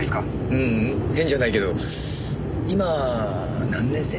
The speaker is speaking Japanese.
ううん変じゃないけど今何年生？